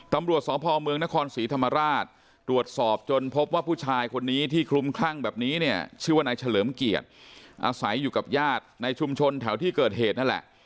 ตำรวจสพเมืองนครศรีธรรมราชตรวจสอบจนพบว่าผู้ชายคนนี้ที่คลุมคลั่งแบบนี้เนี่ยชื่อว่านายเฉลิมเกียรติอาศัยอยู่กับญาติในชุมชนแถวที่เกิดเหตุนั่นแหละ